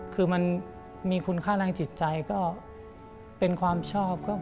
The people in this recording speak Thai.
คือมันมีคุณค่าทางจิตใจก็เป็นความชอบ